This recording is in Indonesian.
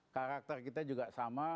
karakter kita juga sama